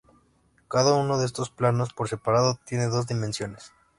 Cada uno de estos planos, por separado, tiene dos dimensiones.